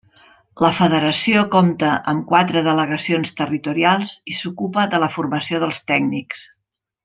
La federació compta amb quatre delegacions territorials i s'ocupa de la formació dels tècnics.